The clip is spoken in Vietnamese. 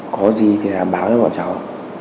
có gì thì báo cho bọn cháu